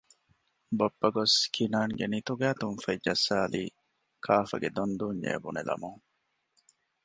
ބައްޕަގޮސް ކިނާންގެ ނިތުގައި ތުންފަތް ޖައްސާލީ ކާފަގެ ދޮންދޫންޏޭ ބުނެލަމުން